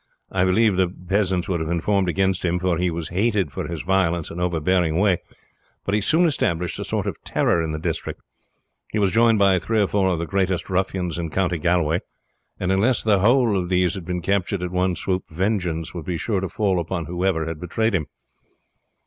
I believe the peasants would have informed against him, for he was hated for his violence and overbearing way, but he soon established a sort of terror in the district. He was joined by three or four of the greatest ruffians in County Galway, and unless the whole of these had been captured at one swoop, vengeance would be sure to fall upon whoever had betrayed him.